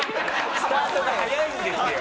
スタートが早いんですよ。